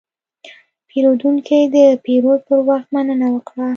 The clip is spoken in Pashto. پیرودونکی د پیرود پر وخت مننه وکړه.